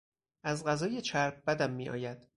از غذای چرب بدم میآید.